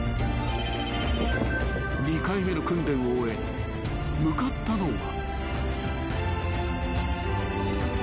［２回目の訓練を終え向かったのは］